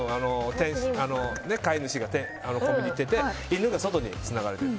飼い主がコンビニ行ってて犬が外につながれてる。